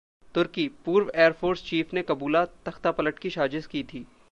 तुर्की: पूर्व air force chief ने कबूला- तख्तापलट की साजिश की थी